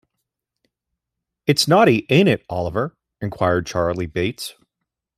‘It’s naughty, ain’t it, Oliver?’ inquired Charley Bates